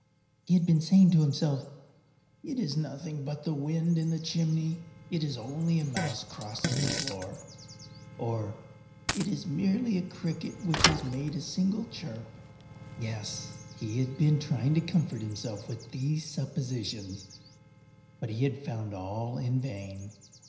He had been saying to himself—“It is nothing but the wind in the chimney—it is only a mouse crossing the floor,” or “It is merely a cricket which has made a single chirp.” Yes, he had been trying to comfort himself with these suppositions: but he had found all in vain.